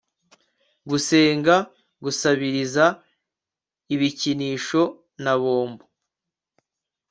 gusenga, gusabiriza ibikinisho na bombo